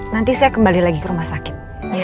nanti saya kembali lagi ke rumah sakit